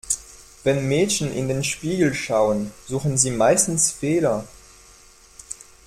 Wenn Mädchen in den Spiegel schauen, suchen sie meistens Fehler.